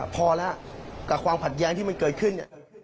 พอแล้วกับความขัดแย้งที่มันเกิดขึ้นเนี่ย